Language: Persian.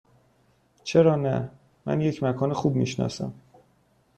چرا نه؟ من یک مکان خوب می شناسم.